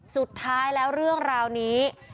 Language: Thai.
สุดท้ายแล้วเรื่องราวนี้